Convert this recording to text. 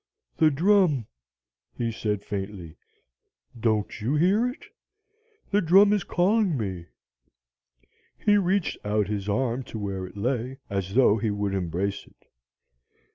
'The drum,' he said faintly; 'don't you hear it? The drum is calling me.' "He reached out his arm to where it lay, as though he would embrace it.